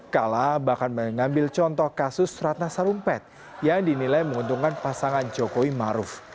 kala bahkan mengambil contoh kasus ratna sarumpet yang dinilai menguntungkan pasangan jokowi maruf